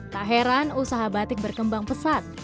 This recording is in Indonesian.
tak heran usaha batik berkembang pesat